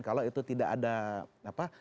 kalau itu tidak ada